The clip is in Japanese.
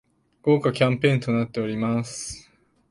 豪華キャンペーンとなっております